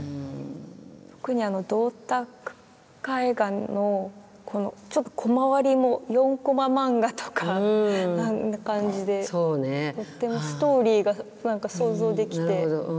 特に銅鐸絵画のこのちょっとコマ割りも４コマ漫画とかあんな感じでとってもストーリーが何か想像できて。